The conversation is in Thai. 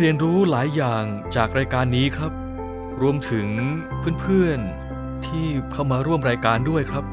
เรียนรู้หลายอย่างจากรายการนี้ครับรวมถึงเพื่อนเพื่อนที่เข้ามาร่วมรายการด้วยครับ